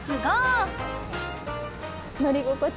乗り心地